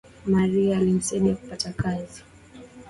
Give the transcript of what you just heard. Maria alinisaidia kupata kazi